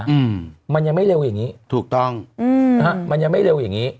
อืมมันยังไม่เร็วอย่างงี้ถูกต้องอืมนะฮะมันยังไม่เร็วอย่างงี้